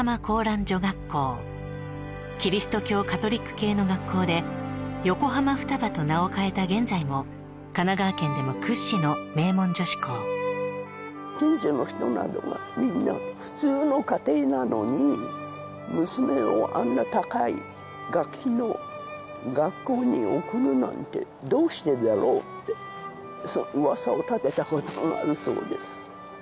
キリスト教カトリック系の学校で横浜雙葉と名を変えた現在も神奈川県でも屈指の名門女子校近所の人などがみんな普通の家庭なのに娘をあんな高い学費の学校に送るなんてどうしてだろうって噂を立てたことがあるそうです